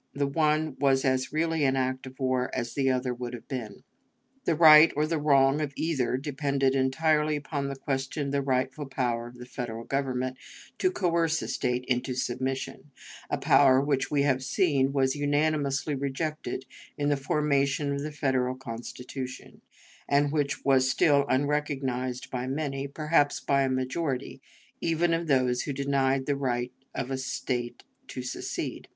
The one was as really an act of war as the other would have been. The right or the wrong of either depended entirely upon the question of the rightful power of the Federal Government to coerce a State into submission a power which, as we have seen, was unanimously rejected in the formation of the Federal Constitution, and which was still unrecognized by many, perhaps by a majority, even of those who denied the right of a State to secede.